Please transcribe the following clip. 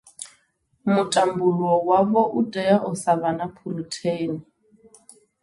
Muṱambuluwo wavho u tea u sa vha na phurotheini.